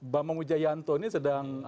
bama mujayanto ini sedang